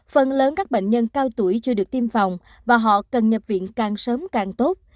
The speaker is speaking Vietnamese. phần lớn các bệnh nhân cao tuổi chưa được tiêm phòng và họ cần nhập viện càng sớm càng tốt